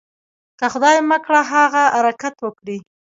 که خدای مه کړه هغه حرکت وکړي.